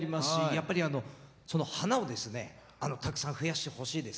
やっぱり花をたくさん増やしてほしいです。